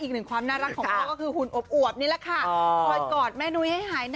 อีกหนึ่งความน่ารักของพ่อก็คือหุ่นอบอวบนี่แล้วค่ะ